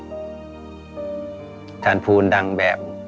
อาจารย์ภูรณ์ดังแบบ